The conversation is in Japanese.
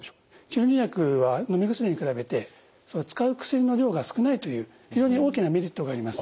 吸入薬はのみ薬に比べて使う薬の量が少ないという非常に大きなメリットがあります。